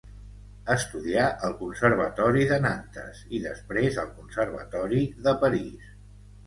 Estudià al Conservatori de Nantes i després al Conservatori de París.